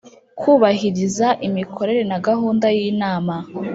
Kubahiriza imikorere na gahunda y Inama